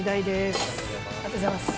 ありがとうございます。